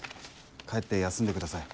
帰って休んでください。